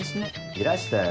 いらしたよ